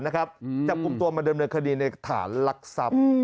จับกลุ่มตัวมาเดิมเนินคดีในฐานลักทรัพย์